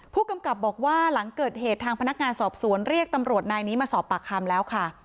ผู้กำกับบอกว่าหลังเกิดเหตุทางพนักงานสอบสวนเรียกตำรวจนายนี้มาสอบปากคำแล้วค่ะ